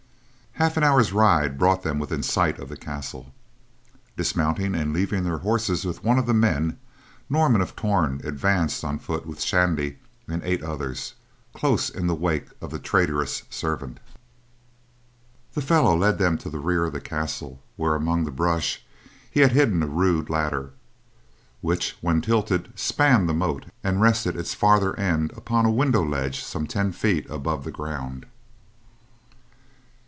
Half an hour's ride brought them within sight of the castle. Dismounting, and leaving their horses with one of the men, Norman of Torn advanced on foot with Shandy and the eight others, close in the wake of the traitorous servant. The fellow led them to the rear of the castle, where, among the brush, he had hidden a rude ladder, which, when tilted, spanned the moat and rested its farther end upon a window ledge some ten feet above the ground.